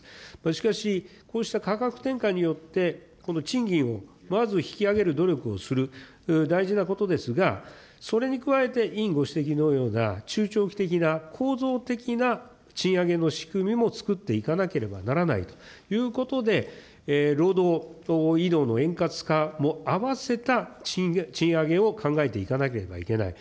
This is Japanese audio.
しかし、こうした価格転嫁によって、この賃金をまず引き上げる努力をする、大事なことですが、それに加えて委員ご指摘のような、中長期的な構造的な賃上げの仕組みも作っていかなければならないということで、労働移動の円滑化もあわせた賃上げを考えていかなければいけない。